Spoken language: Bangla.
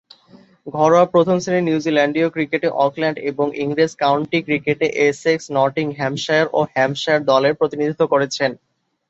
ঘরোয়া প্রথম-শ্রেণীর নিউজিল্যান্ডীয় ক্রিকেটে অকল্যান্ড এবং ইংরেজ কাউন্টি ক্রিকেটে এসেক্স, নটিংহ্যামশায়ার ও হ্যাম্পশায়ার দলের প্রতিনিধিত্ব করেছেন।